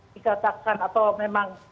dikatakan atau memang